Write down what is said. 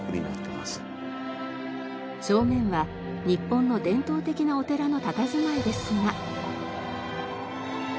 正面は日本の伝統的なお寺のたたずまいですが。